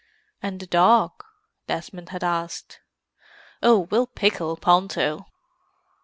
"And the dog?" Desmond had asked. "Oh, we'll pickle Ponto."